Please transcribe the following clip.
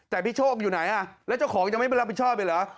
แต่พี่โชคอยู่ไหนแล้วเจ้าของยังไม่มารับผิดชอบเลยเหรอ